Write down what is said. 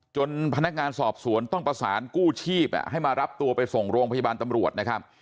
พนักงานสอบสวนต้องประสานกู้ชีพให้มารับตัวไปส่งโรงพยาบาลตำรวจนะครับ